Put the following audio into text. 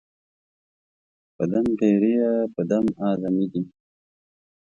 په دم پېریه، په دم آدمې دي